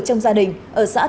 trong phòng trọng của anh huy